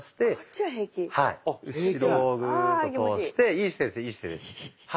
いい姿勢ですいい姿勢です。